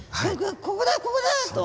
「ここだここだ！」と。